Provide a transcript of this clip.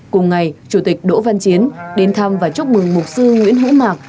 cùng ngày chủ tịch đỗ văn chiến đến thăm và chúc mừng mục sư nguyễn hữu mạc